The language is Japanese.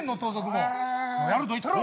もうやると言ったろ。